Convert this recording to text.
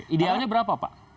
idealnya berapa pak